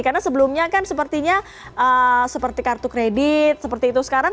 karena sebelumnya kan sepertinya seperti kartu kredit seperti itu sekarang